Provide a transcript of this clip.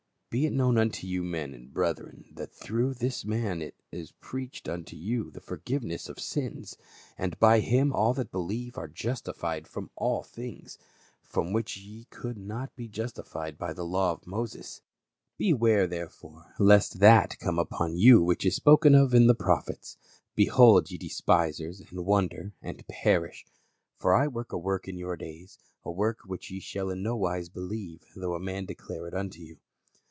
" Be it known unto you, men and brethren, that through this man is preached unto you the forgive ness of sins ; and by him all that believe are justified from all things, from which ye could not be justified by the law of Moses, Beware therefore, lest that 286 PA UL. come upon you which is spoken of in the prophets ; Behold, ye despisers, and wonder, and perish ; for I work a work in your days, a work which ye shall in no wise believe, though a man declare it unto you."